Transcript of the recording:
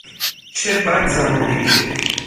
چه بد زمانهای شده!